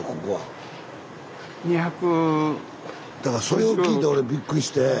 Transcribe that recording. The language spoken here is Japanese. だからそれを聞いて俺びっくりして。